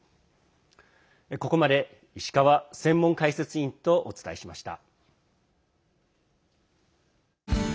ここまで石川専門解説委員とお伝えしました。